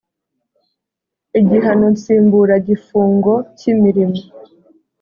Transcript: igihano nsimburagifungo cy imirimo